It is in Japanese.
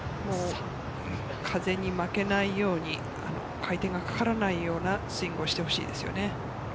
風に負けないように回転がかからないようなスイングをしてほしいですね。